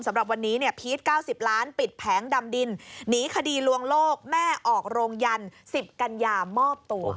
สำหรับวันนี้เนี่ยพีช๙๐ล้านปิดแผงดำดินหนีคดีลวงโลกแม่ออกโรงยัน๑๐กันยามอบตัว